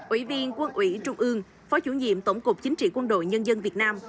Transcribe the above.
ủy viên quân ủy trung ương phó chủ nhiệm tổng cục chính trị quân đội nhân dân việt nam